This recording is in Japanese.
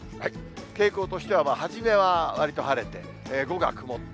傾向としては、初めはわりと晴れて、午後は曇って。